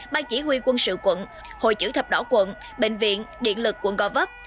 ban chỉ huy quân sự quận hội chữ thập đỏ quận bệnh viện điện lực quận gò vấp